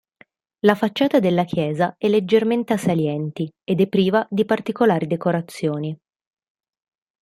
La facciata della chiesa è leggermente a salienti ed è priva di particolari decorazioni.